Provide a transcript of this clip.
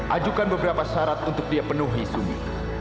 ajukan beberapa syarat untuk dia penuhi zumi